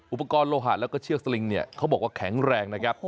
อุปกรณ์โลหะแล้วก็เชือกสลิงเนี่ยเขาบอกว่าแข็งแรงนะครับ